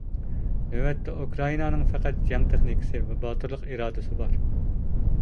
نۆۋەتتە ئۇكرائىنانىڭ پەقەت جەڭ تېخنىكىسى ۋە باتۇرلۇق ئىرادىسى بار.